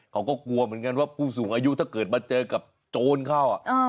เขาก็กลัวเหมือนกันว่าผู้สูงอายุถ้าเกิดมาเจอกับโจรเข้า